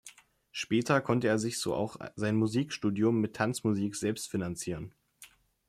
Später konnte er sich so auch sein Musikstudium mit Tanzmusik selbst finanzieren.